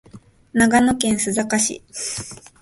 長野県須坂市